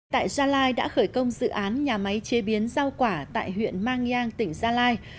tại gia lai đã khởi công dự án nhà máy chế biến rau quả tại huyện mang nhang tỉnh gia lai